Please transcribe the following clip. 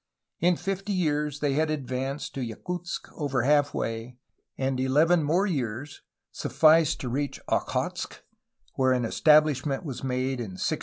In fifty years they had advanced to Yakutsk, over half way, and eleven more years sufficed to reach Okhotsk, where an establishment was made in 1639.